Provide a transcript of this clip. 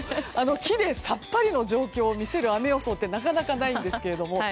きれいさっぱりの状況を見せる雨予想ってなかなかないんですけど。